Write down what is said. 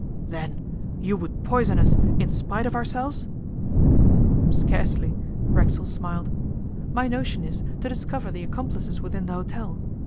'Then you would poison us in spite of ourselves?' 'Scarcely,' Racksole smiled. 'My notion is to discover the accomplices within the hotel.